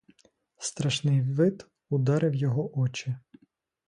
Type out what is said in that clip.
Страшний вид ударив його очі.